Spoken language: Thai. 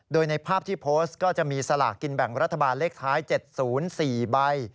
โดยในภาพที่โพสต์ก็จะมีสลากกินแบ่งรัฐบาลเลขท้าย๗๐๔ใบ